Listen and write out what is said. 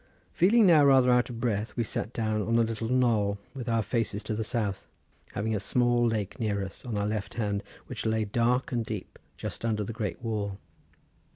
Feeling now rather out of breath we sat down on a little knoll with our faces to the south, having a small lake near us, on our left hand, which lay dark and deep, just under the great wall.